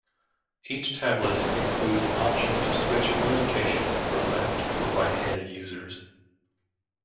Each tablet includes an option to switch orientation for left- or right-handed users.